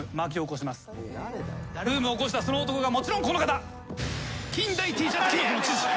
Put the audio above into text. ブームを起こしたその男がもちろんこの方。